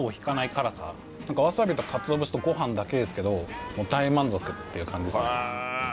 わさびと鰹節とご飯だけですけどもう大満足っていう感じですね。